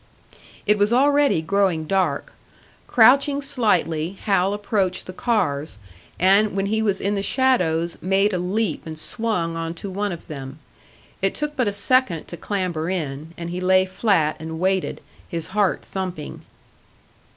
It was already growing dark. Crouching slightly, Hal approached the cars, and when he was in the shadows, made a leap and swung onto one of them. It took but a second to clamber in, and he lay flat and waited, his heart thumping.